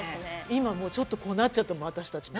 今もうちょっとこうなっちゃったもん私たちもね。